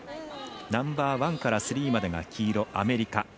ナンバーワンからスリーまでが黄色、アメリカ。